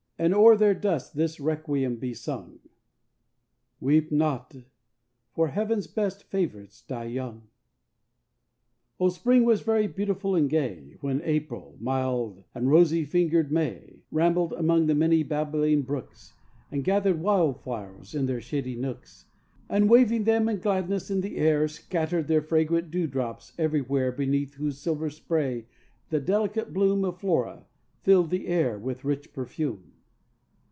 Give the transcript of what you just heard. And oâer their dust this requiem be sung âWeep not, for Heavenâs best favorites die youngâ Oh, Spring was very beautiful and gay When April mild and rosy fingered May Rambled among the many babbling brooks And gathered wild flowers in their shady nooks, And waving them in gladness in the air, Scattered their fragrant dew drops everywhere Beneath whose silver spray the delicate bloom Of Flora filled the air with rich perfume.